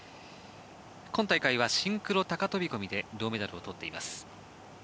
今大会はシンクロ高飛込で銅メダルを取っています。